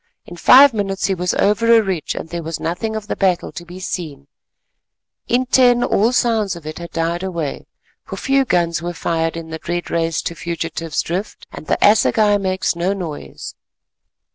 In five minutes he was over a ridge, and there was nothing of the battle to be seen, in ten all sounds of it had died away, for few guns were fired in the dread race to Fugitive's Drift, and the assegai makes no noise.